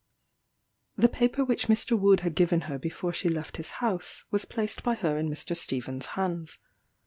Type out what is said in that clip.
The paper which Mr. Wood had given her before she left his house, was placed by her in Mr. Stephen's hands.